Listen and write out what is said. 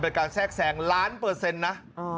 เป็นการแทรกแสงล้านเปอร์เซนนะ